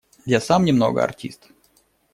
Я сам немного артист.